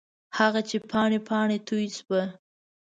هغه چې پاڼې، پاڼې توی شوه